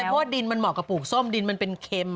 เพราะว่าดินมันเหมาะกับปลูกส้มดินมันเป็นเค็ม